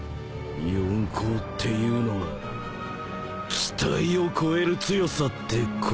四皇っていうのは期待を超える強さってことだな。